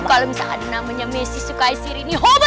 kalau misalnya ada namanya missy sukaisiri ini hoba